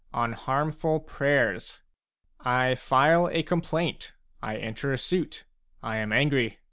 ON HARMFUL PRAYERS I file a complaint, I enter a suit, I am angry.